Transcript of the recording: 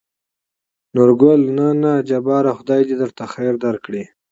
نورګل: نه نه جباره خداى د درته خېر درکړي.